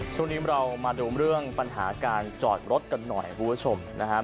ช่วงนี้เรามาดูเรื่องปัญหาการจอดรถกันหน่อย๙๔นะค่ะ